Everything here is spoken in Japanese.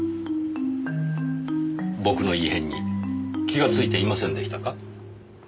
僕の異変に気がついていませんでしたか？